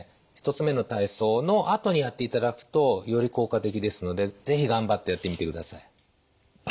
１つ目の体操のあとにやっていただくとより効果的ですので是非頑張ってやってみてください。